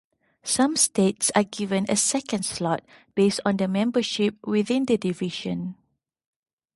Some states are given a second slot, based on the membership within the division.